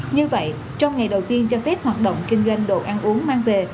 như vậy trong ngày đầu tiên cho phép hoạt động kinh doanh đồ ăn uống mang về